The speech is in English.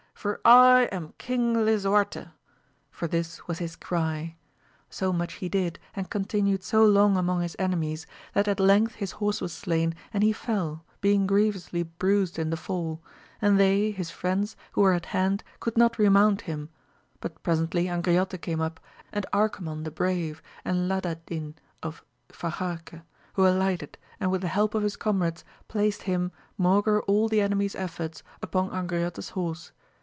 for I am King Lisuarte : for this was his cry. So much he did; and continued so long among his enemies, that at length his horse was slain and he fell, heing grievously bruised in the fall ; and they, his friends, who were at hand could not remount him, but presently 4j^griote came up, and Arcamon the brave, and Xiadadin of Fajarque, who alighted, and with the help of his comrades placed him, maugre all the enemies efforts, upon Angriote's horse.